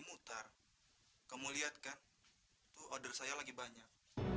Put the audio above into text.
mutar kamu lihat kan itu order saya lagi banyak